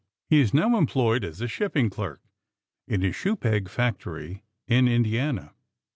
He is now employed as a shipping clerk in a shoe peg factory in Indiana.